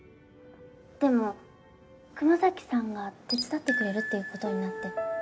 でも熊咲さんが手伝ってくれるっていうことになって。